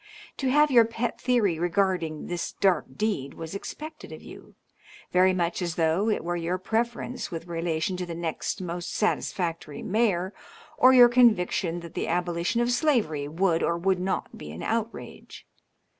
To have your pet theory regarding this dark deed was expected of you, very much as though it were your preference with relation to the next most satis&ctory mayor, or your conviction that the abolition of slavery would or would not be an outrage.